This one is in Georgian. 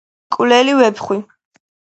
მკვლელი ვეფხვი